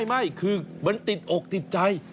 ไม่คือมันติดอกติดใจ